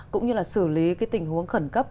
cũng như là xử lý cái tình huống khẩn cấp